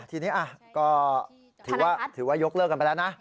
ทีนี้ก็ถือว่ายกเลิกกันไปแล้วนะ